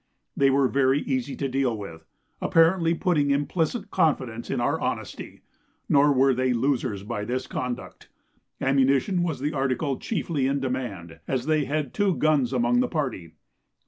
They were very easy to deal with, apparently putting implicit confidence in our honesty; nor were they losers by this conduct. Ammunition was the article chiefly in demand, as they had two guns among the party.